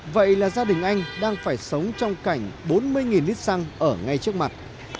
vậy là gia đình anh đang phải sống trong cảnh bốn mươi lít xăng ở ngay trước mặt